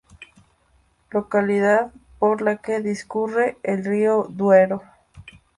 Localidad por la que discurre el río Duero.